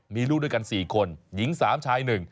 มีลูกด้วยกัน๔คนหญิง๓ชาย๑